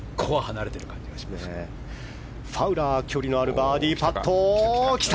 ファウラー距離が離れているバーディーパット。